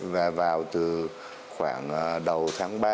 và vào từ khoảng đầu tháng bốn